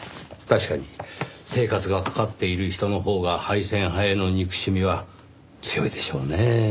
確かに生活がかかっている人のほうが廃線派への憎しみは強いでしょうねぇ。